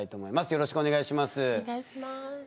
よろしくお願いします。